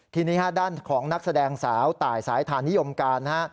ทีนี้ด้านของนักแสดงสาวตายสายทานนิยมการนะฮะ